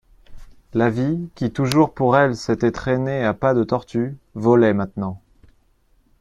La vie, qui toujours pour elle s'était traînée à pas de tortue, volait maintenant.